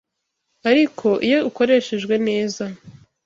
Ariko iyo ukoreshejwe neza